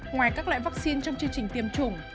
ngoài các loại vaccine trong chương trình tiêm chủng